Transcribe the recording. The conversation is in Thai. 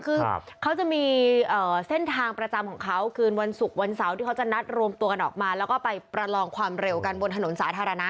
คือเขาจะมีเส้นทางประจำของเขาคืนวันศุกร์วันเสาร์ที่เขาจะนัดรวมตัวกันออกมาแล้วก็ไปประลองความเร็วกันบนถนนสาธารณะ